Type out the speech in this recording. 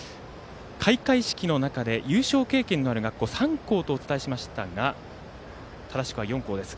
開会式の中で優勝経験のある学校が３校というお伝えしましたが正しくは４校です。